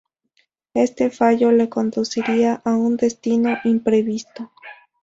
Este fallo le conduciría a un destino imprevisto.